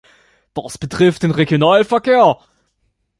Das betrifft den Regionalverkehr.